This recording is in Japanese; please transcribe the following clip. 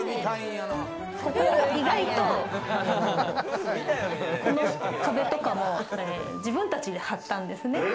意外と壁とかも自分たちで貼ったんですね。